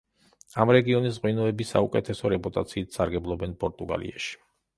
ამ რეგიონის ღვინოები საუკეთესო რეპუტაციით სარგებლობენ პორტუგალიაში.